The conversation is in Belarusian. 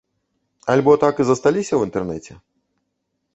Альбо так і засталіся ў інтэрнэце?